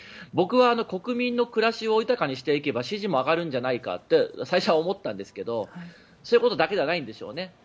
僕は国民の暮らしを豊かにしていけば支持も上がるんじゃないかと最初は思ったんですがそういうことだけじゃないんでしょうね。